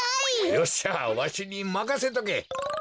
よっしゃわしにまかせとけ！